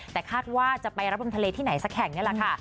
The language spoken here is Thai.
แต่คาดว่าจะไปรับบนทะเลที่ไหนสักแห่งนี่แหละค่ะ